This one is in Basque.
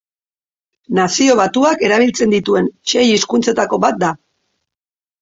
Nazio Batuak erabiltzen dituen sei hizkuntzetako bat da.